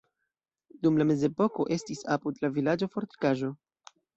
Dum la mezepoko estis apud la vilaĝo fortikaĵo.